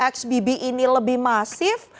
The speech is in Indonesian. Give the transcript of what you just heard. xbb ini lebih masif